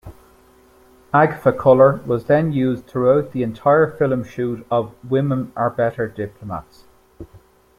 Agfacolor was then used throughout the entire film shoot of "Women Are Better Diplomats".